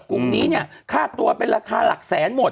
กลุ่มนี้เนี่ยค่าตัวเป็นราคาหลักแสนหมด